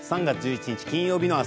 ３月１１日